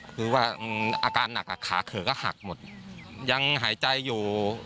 คือว่าอาการหนักอ่ะขาเขอก็หักหมดยังหายใจอยู่